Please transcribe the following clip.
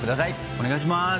お願いします。